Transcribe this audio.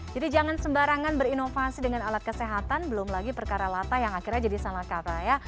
jadi jangan sembarangan berinovasi dengan alat kesehatan belum lagi perkara lata yang akhirnya jadi salah kata ya